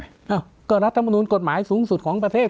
อ้าวก็รัฐมนุนกฎหมายสูงสุดของประเทศ